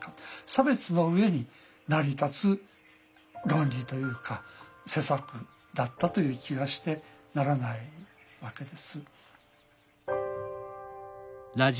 差別の上に成り立つ論理というか施策だったという気がしてならないわけです。